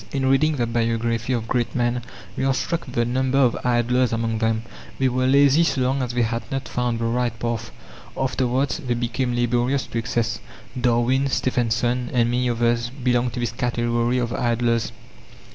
In reading the biography of great men, we are struck with the number of "idlers" among them. They were lazy so long as they had not found the right path; afterwards they became laborious to excess. Darwin, Stephenson, and many others belonged to this category of idlers.